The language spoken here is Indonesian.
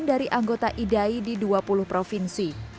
dari anggota idai di dua puluh provinsi